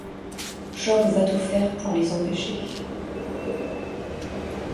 Choc va tout faire pour les empêcher.